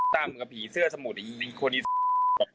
ตามกับหญิงเสื้อสมุดอีกจริงคนอีสาน